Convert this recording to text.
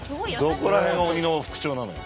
どこら辺が鬼の副長なのよ。